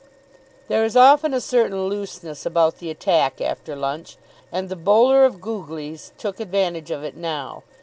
There is often a certain looseness about the attack after lunch, and the bowler of googlies took advantage of it now.